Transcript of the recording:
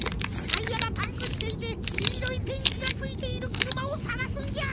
タイヤがパンクしていてきいろいペンキがついているくるまをさがすんじゃ！